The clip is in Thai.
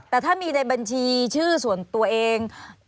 แต่ถ้ามีในบัญชีชื่อส่วนตัวเอง